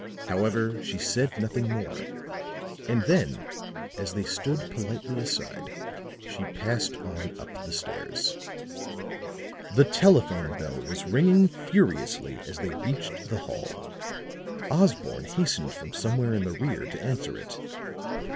However, she said nothing more; and then as they stood politely aside, she passed on up the stairs. The telephone bell was ringing furiously as they reached the hall; Osborne hastened from somewhere in the rear to answer it.